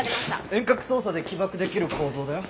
遠隔操作で起爆出来る構造だよ。